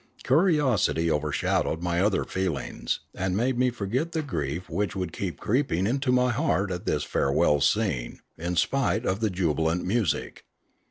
Curiosity over shadowed my other feelings and made me forget the grief which would keep creeping into my heart at this farewell scene in spite of the jubilant music.